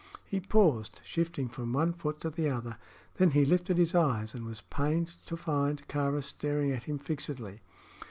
He paused, shifting from one foot to the other. Then he lifted his eyes, and was pained to find Kāra staring at him fixedly.